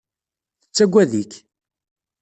Tettagad-ik.